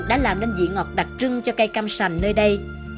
đã làm nên vị ngọt đặc trưng cho cây cam sành nơi đây